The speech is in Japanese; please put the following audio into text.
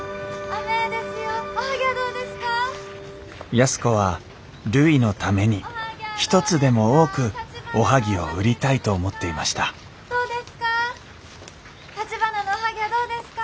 安子はるいのために一つでも多くおはぎを売りたいと思っていましたどうですか？